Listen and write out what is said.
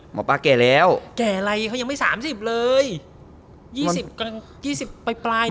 หมอปลาแก่แล้วแก่อะไรเขายังไม่๓๐เลย๒๐๒๐ปลาย